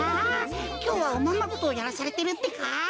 きょうはおままごとをやらされてるってか？